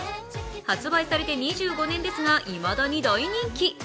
発売されて２５年ですがいまだに大人気。